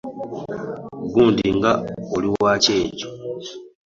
Gundi nga oli wakyejo.